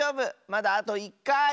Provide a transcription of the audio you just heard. まだあと１かい！